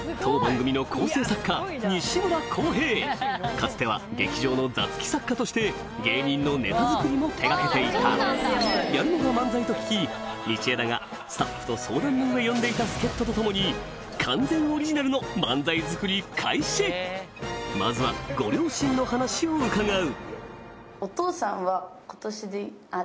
かつては劇場の座付き作家として芸人のネタ作りも手掛けていたやるのが漫才と聞き道枝がスタッフと相談の上呼んでいた助っ人と共にまずはご両親の話を伺う